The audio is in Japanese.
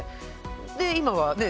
で今はね